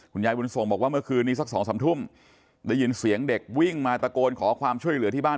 ยายบุญส่งบอกว่าเมื่อคืนนี้สักสองสามทุ่มได้ยินเสียงเด็กวิ่งมาตะโกนขอความช่วยเหลือที่บ้าน